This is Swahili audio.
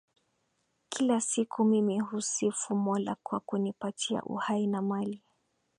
Kila siku mimi husifu Mola kwa kunipatia uhai na mali.